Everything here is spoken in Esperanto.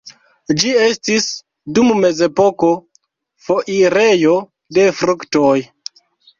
Ĝi estis, dum mezepoko, foirejo de fruktoj.